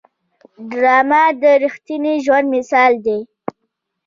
ډرامه د رښتیني ژوند مثال دی